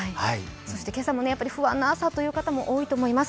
今朝も不安な朝という方も多いと思います。